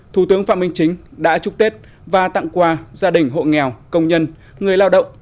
thủ tướng phạm minh chính đã chúc tết và tặng quà gia đình hộ nghèo công nhân người lao động